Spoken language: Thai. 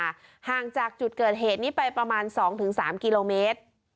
ห่างจากจุดเกิดเหตุนี้ไปประมาณ๒๓กิโลเมตร